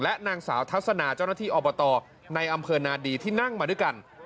นางสาวทัศนาเจ้าหน้าที่อบตในอำเภอนาดีที่นั่งมาด้วยกัน